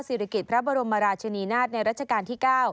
ศิริกิจพระบรมราชนีนาฏในรัชกาลที่๙